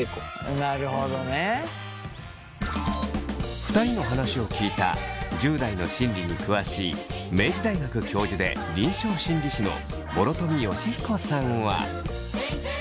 ２人の話を聞いた１０代の心理に詳しい明治大学教授で臨床心理士の諸富祥彦さんは。